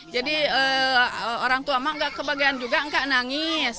jadi orang tua mah nggak kebagian juga nggak nangis